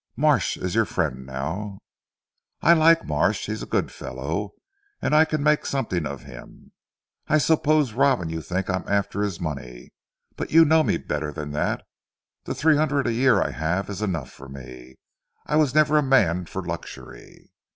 Marsh is your friend now." "I like Marsh. He is a good fellow, and I can make something of him. I suppose Robin you think I am after his money; but you know me better than that. The three hundred a year I have is enough for me. I was never a man for luxury."